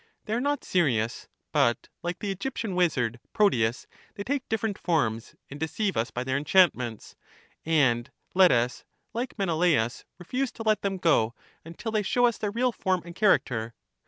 They are not serious, but, like the Egyptian wizard, Proteus, they take different 246 EUTHYDEMUS forms and deceive us by their enchantments: and let us, like Menelaus, refuse to let them go until they show us their real form and character.